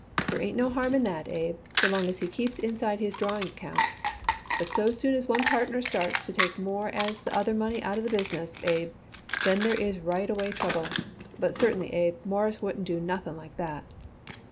There ain't no harm in that, Abe, so long as he keeps inside his drawing account, but so soon as one partner starts to take more as the other money out of the business, Abe, then there is right away trouble. But certainly, Abe, Mawruss wouldn't do nothing like that."